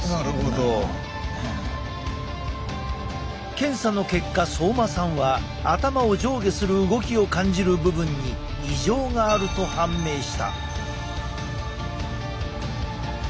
検査の結果相馬さんは頭を上下する動きを感じる部分に異常があると判明した。